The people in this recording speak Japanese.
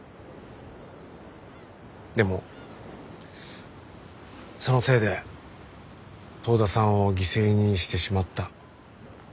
でもそのせいで遠田さんを犠牲にしてしまった。